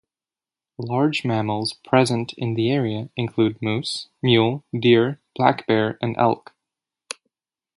Large mammals present in the area include moose, mule deer, black bear, and elk.